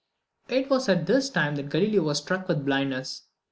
It was at this time that Galileo was struck with blindness.